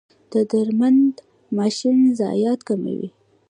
د درمند ماشین ضایعات کموي؟